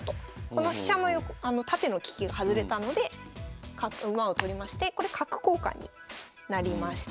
この飛車の縦の利きが外れたので馬を取りましてこれ角交換になりました。